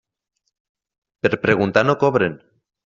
Per preguntar no cobren.